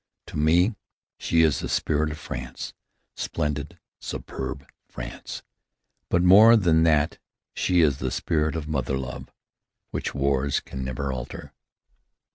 To me she is the Spirit of France, splendid, superb France. But more than this she is the Spirit of Mother love which wars can never alter.